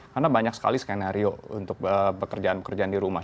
karena banyak sekali skenario untuk pekerjaan pekerjaan di rumah